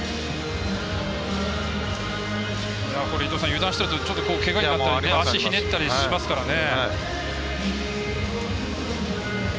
油断してると、けがしたり足をひねったりしますからね。